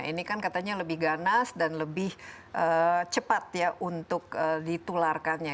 ini kan katanya lebih ganas dan lebih cepat ya untuk ditularkannya